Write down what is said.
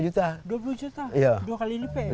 dua puluh juta dua kali lipat